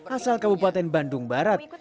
asal kabupaten bandung barat